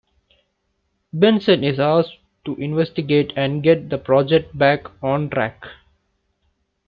Benson is asked to investigate and get the project back on track.